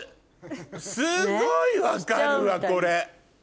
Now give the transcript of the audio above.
すごい分かるわこれ。